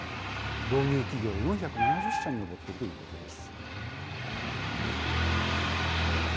導入企業４７０社に上っているということです。